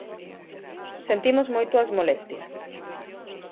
Sentimos moito as molestias.